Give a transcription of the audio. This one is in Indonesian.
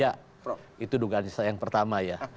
ya itu dugaan saya yang pertama ya